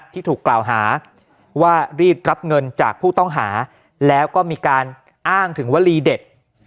ที่ถูกกล่าวหาว่ารีบรับเงินจากผู้ต้องหาแล้วก็มีการอ้างถึงวลีเด็ด